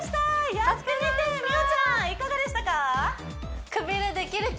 やってみて美桜ちゃんいかがでしたか？